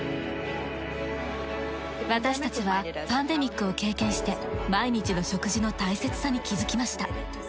私たちはパンデミックを経験して毎日の食事の大切さに気づきました。